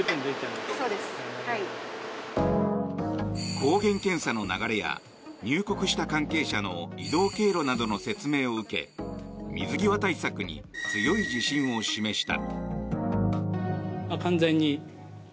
抗原検査の流れや入国した関係者の移動経路などの説明を受け水際対策に強い自信を示した。